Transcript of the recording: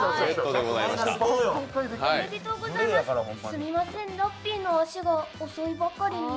すみません、ラッピーの足が遅いばかりに。